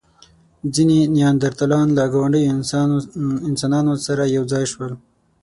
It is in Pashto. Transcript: ځینې نیاندرتالان له ګاونډيو انسانانو سره یو ځای شول.